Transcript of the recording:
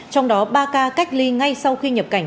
trong đó ba ca cách ly ngay sau khi nhập cảnh